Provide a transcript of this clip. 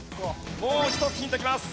もう一つヒントきます。